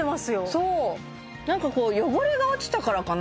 そうなんかこう汚れが落ちたからかな？